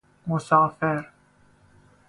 مسافر